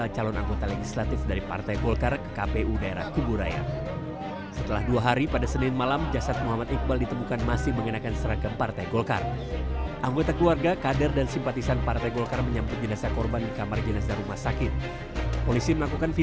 jangan lupa like share dan subscribe channel ini